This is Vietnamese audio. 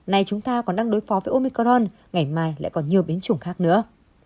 nay chúng ta còn đang đối phó với omicron ngày mai lại còn nhiều biến chủng khác nữa